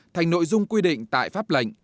thành nội dung quy định tại pháp lệnh